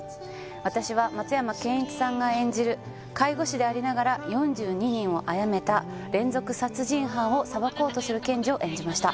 私は松山ケンイチさんが演じる介護士でありながら４２人を殺めた連続殺人犯を裁こうとする検事を演じました